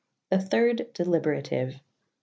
The thyrde Delyberatyue. The .